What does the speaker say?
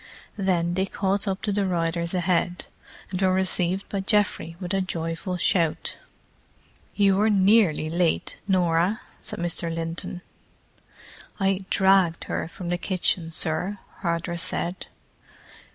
Then they caught up to the riders ahead, and were received by Geoffrey with a joyful shout. "You were nearly late, Norah," said Mr. Linton. "I dragged her from the kitchen, sir," Hardress said.